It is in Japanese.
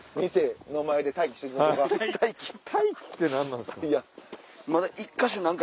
待機って何なんですか？